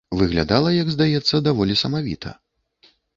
Выглядала, як здаецца, даволі самавіта.